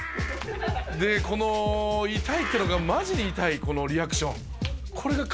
で、この痛いっていうのが、まじで痛い、このリアクション。